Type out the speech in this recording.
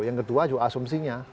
yang kedua juga asumsinya